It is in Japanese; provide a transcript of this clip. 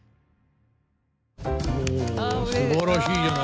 おすばらしいじゃないですか。